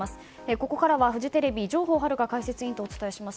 ここからはフジテレビ上法玄解説委員とお伝えします。